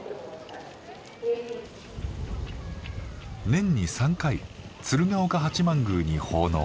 年に３回鶴岡八幡宮に奉納。